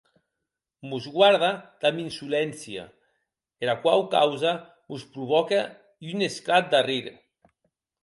Mos guarde damb insoléncia, era quau causa mos provòque un esclat d'arrir.